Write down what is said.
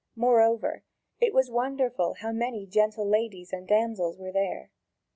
Moreover, it was wonderful how many gentle ladies and damsels were there.